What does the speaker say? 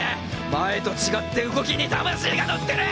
前と違って動きに魂が乗ってる！